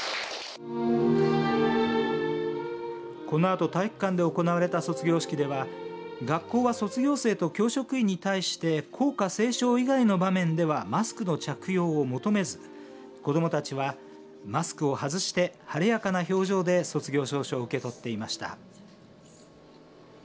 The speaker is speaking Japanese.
このあと体育館で行われた卒業式では学校は卒業生と教職員に対して校歌斉唱以外の場面ではマスクの着用を求めず子どもたちはマスクを外して晴れやかな表情で卒業証書を受け取っていました。